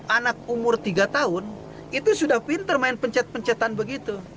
anak umur tiga tahun itu sudah pinter main pencet pencetan begitu